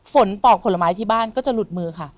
ปอกผลไม้ที่บ้านก็จะหลุดมือค่ะ